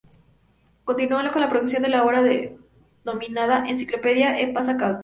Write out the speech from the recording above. Continuó con la producción de la ahora denominada "Enciclopedia Espasa-Calpe".